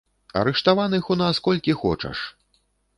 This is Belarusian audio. Арыштаваных у нас колькі хочаш!